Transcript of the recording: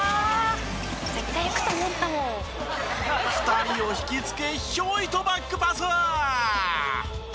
２人を引きつけヒョイとバックパス！